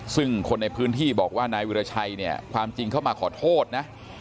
ซึ่งคนในพื้นที่บอกว่านายวิราชัยเนี่ยความจริงเข้ามาขอโทษนะ